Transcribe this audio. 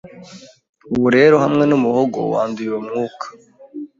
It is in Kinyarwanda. Ubu rero hamwe n'umuhogo wanduye uwo mwuka